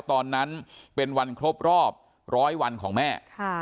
ตอนนั้นเป็นวันครบรอบร้อยวันของแม่